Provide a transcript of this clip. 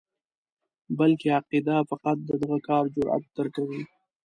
بلکې عقیده فقط د دغه کار جرأت درکوي.